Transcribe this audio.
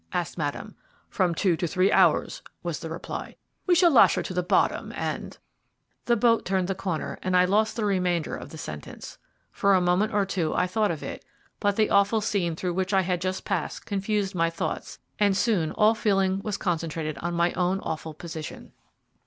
asked Madame. "From two to three hours," was the reply. "We shall lash her to the bottom, and " The boat turned the corner, and I lost the remainder of the sentence. For a moment or two I thought of it, but the awful scene through which I had just passed confused my thoughts, and soon all feeling was concentrated on my own awful position.